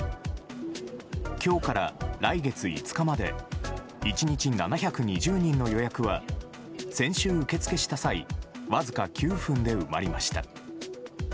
今日から来月５日まで１日７２０人の予約は先週受け付けした際わずか９分で埋まりました。